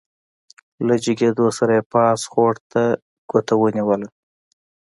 له جګېدو سره يې پاس خوړ ته ګوته ونيوله عاعاعا.